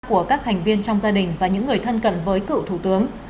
của các thành viên trong gia đình và những người thân cận với cựu thủ tướng